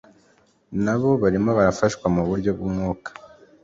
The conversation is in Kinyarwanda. nabo barimo barafashwa mu buryo bwumwuka